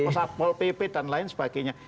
saat pol pp dan lain sebagainya